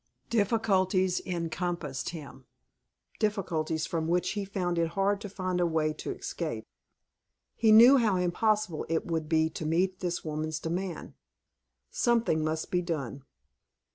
Difficulties encompassed him difficulties from which he found it hard to find a way of escape. He knew how impossible it would be to meet this woman's demand. Something must be done.